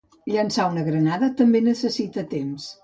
Llençar una granada també necessita temps.